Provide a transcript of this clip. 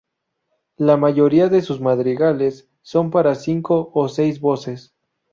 La mayoría de sus madrigales son para cinco o seis voces.